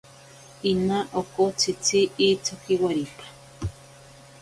Ina okotsitzi itsoki waripa.